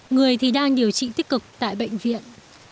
người thì đang điều trị tích cực tại bệnh viện